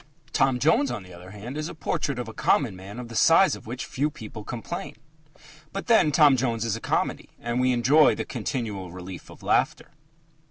Tom Jones, on the other hand, is a portrait of a common man of the size of which few people complain. But then Tom Jones is a comedy, and we enjoy the continual relief of laughter.